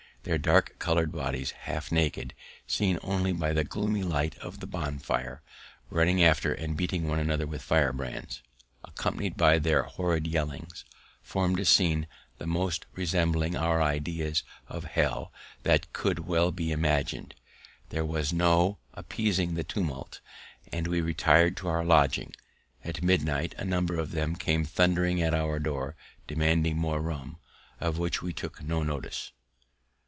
Their dark colour'd bodies, half naked, seen only by the gloomy light of the bonfire, running after and beating one another with firebrands, accompanied by their horrid yellings, form'd a scene the most resembling our ideas of hell that could well be imagin'd; there was no appeasing the tumult, and we retired to our lodging. At midnight a number of them came thundering at our door, demanding more rum, of which we took no notice.